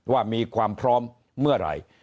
ว่ามีความพร้อมเมื่อไหร่